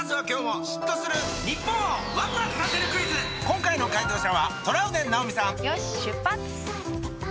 今回の解答者はトラウデン直美さんよし出発！